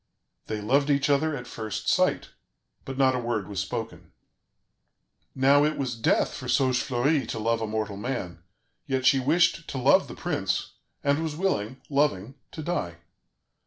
They loved each other at first sight, but not a word was spoken. Now it was death for Saugefleurie to love a mortal man, yet she wished to love the prince, and was willing, loving, to die.